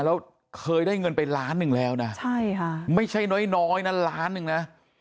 แล้วเคยได้เงินไปล้านหนึ่งแล้วนะใช่ค่ะไม่ใช่น้อยนะล้านหนึ่งนะ